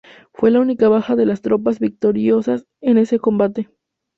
Fue la única baja de las tropas victoriosas en ese combate.